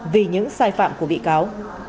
vì những sai phạm của bị cáo